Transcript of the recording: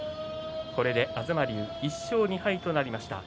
これで東龍１勝２敗となりました。